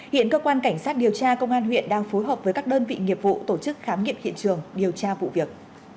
hiện cơ quan cảnh sát điều tra công an huyện đang phối hợp với các đơn vị nghiệp vụ tổ chức khám nghiệm hiện trường điều tra vụ việc